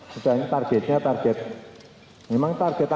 mungkineh foarte amusement mquesan di malam hari ini